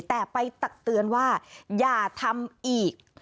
แต่ไปตักเตือนว่าอย่าทำอีก